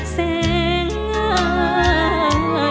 ขอบคุณครับ